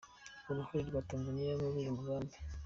Uruhare rwa Tanzania muri uyu mugambi